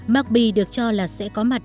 mockb được cho là sẽ có mặt